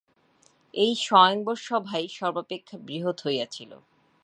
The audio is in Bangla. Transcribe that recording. এই স্বয়ংবর-সভাই সর্বাপেক্ষা বৃহৎ হইয়াছিল।